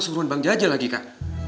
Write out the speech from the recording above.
suruhan bang jajah lagi kak